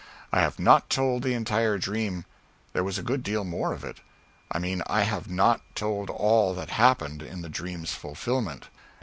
I have not told the entire dream. There was a good deal more of it. I mean I have not told all that happened in the dream's fulfilment.